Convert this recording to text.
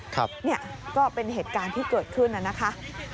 ครับนี่ก็เป็นเหตุการณ์ที่เกิดขึ้นแล้วนะคะ